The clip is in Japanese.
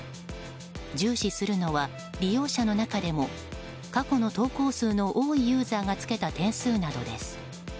重視するのは利用者の中でも過去の投稿数の多いユーザーがつけた点数などです。